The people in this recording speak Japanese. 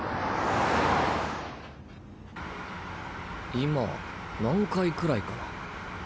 今何回くらいかな？